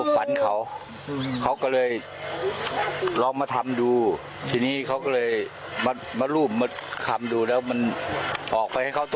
เห็นไหมล่ะ